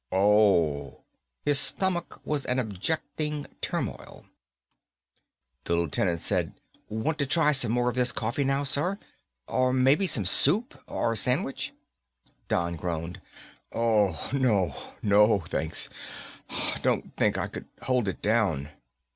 "Oh." His stomach was an objecting turmoil. The Lieutenant said, "Want to try some more of this coffee now, sir? Or maybe some soup or a sandwich?" Don groaned. "No. No, thanks. Don't think I could hold it down."